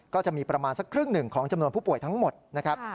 ก็จะมีประมาณสักครึ่งหนึ่งของจำนวนผู้ป่วยทั้งหมดนะครับ